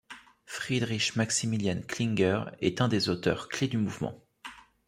Friedrich Maximilian Klinger est un des auteurs clés du mouvement.